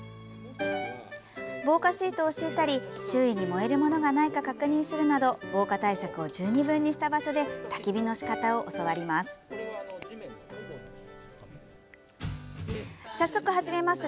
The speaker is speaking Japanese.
防火シートを敷いたり周囲に燃えるものがないか確認するなど防火対策を十二分にした場所でたき火のしかたを教わります。